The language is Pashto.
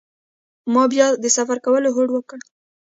ما بیا د سفر کولو هوډ وکړ.